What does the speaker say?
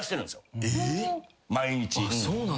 毎日。